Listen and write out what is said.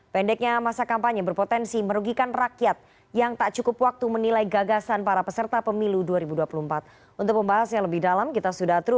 pendeknya masa kampanye berpotensi merugikan rakyat yang tak cukup waktu menilai gagasan para peserta pemilu dua ribu dua puluh empat